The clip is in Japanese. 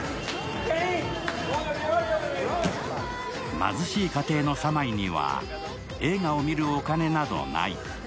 貧しい家庭のサマイには映画を見るお金などない。